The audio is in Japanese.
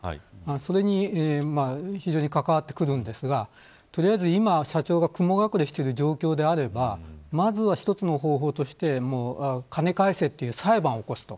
それに非常に関わってくるんですが取りあえず今、社長が雲隠れしている状況であればまずは、１つの方法として金返せという裁判を起こす。